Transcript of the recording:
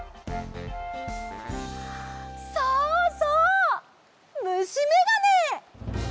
そうそうむしめがね！